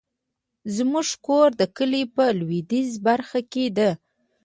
زمونږ کور د کلي په لويديځه برخه کې ده